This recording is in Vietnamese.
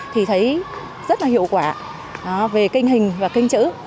thì thấy rất là hiệu quả về kinh hình và kinh chữ